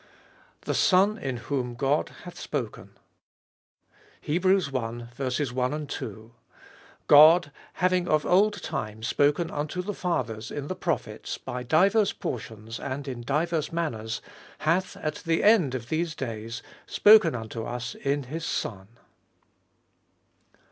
I. THE SON IN WHOM GOD HATH SPOKEN. I.— I. God, having of old time spoken unto the fathers in the prophets by divers portions and in divers manners, 2. Hath at the end of these days spoken unto us in his Son.